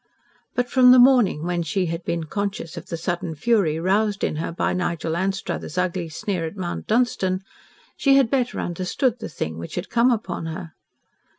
But from the morning when she had been conscious of the sudden fury roused in her by Nigel Anstruthers' ugly sneer at Mount Dunstan, she had better understood the thing which had come upon her.